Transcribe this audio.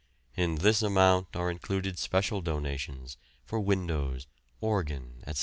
In this amount are included special donations for windows, organ, etc.